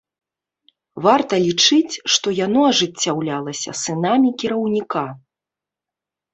Варта лічыць, што яно ажыццяўлялася сынамі кіраўніка.